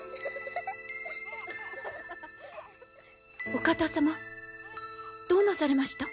お方様どうなされました？